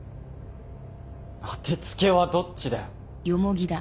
当て付けはどっちだよ。